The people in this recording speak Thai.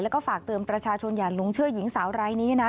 แล้วก็ฝากเตือนประชาชนอย่าหลงเชื่อหญิงสาวรายนี้นะ